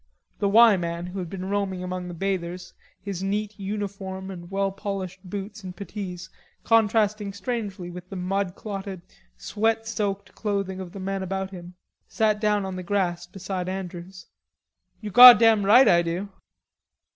The "Y" man, who had been roaming among the bathers, his neat uniform and well polished boots and puttees contrasting strangely with the mud clotted, sweat soaked clothing of the men about him, sat down on the grass beside Andrews. "You're goddam right I do."